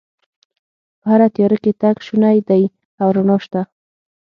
په هره تیاره کې تګ شونی دی او رڼا شته